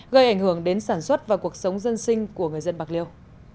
gây ảnh hưởng đến sản xuất và cuộc sống dân sinh của người dân bạc liêu